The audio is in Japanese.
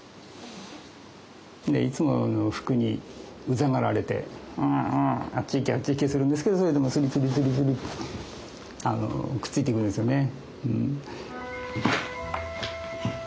でいつもふくにウザがられてうんうんあっち行けあっち行けするんですけどそれでもスリスリスリスリくっついてくるんですよね。